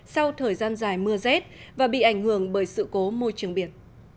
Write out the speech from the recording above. sau thời gian dài mưa rét và bị ảnh hưởng bởi sự cố môi trường biển